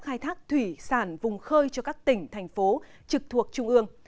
khai thác thủy sản vùng khơi cho các tỉnh thành phố trực thuộc trung ương